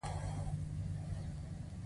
تاریخ وايي چې ټولنې ځینې ډلې له ځانه شړلې دي.